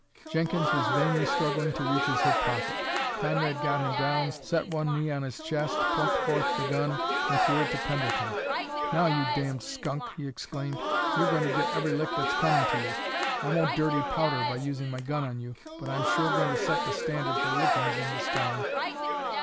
Jenkins was vainly struggling to reach his hip pocket. Conrad got him down, set one knee on his chest, plucked forth the gun, and threw it to Pendleton. "Now, you damned skunk," he exclaimed, "you're going to get every lick that's coming to you! I won't dirty powder by using my gun on you, but I'm sure going to set the standard for lickings in this town."